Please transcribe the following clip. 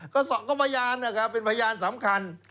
ก็สอบก็พยานนะคะเป็นพยานสำคัญ